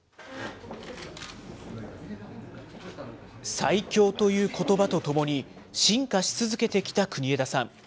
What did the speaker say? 最強ということばとともに、進化し続けてきた国枝さん。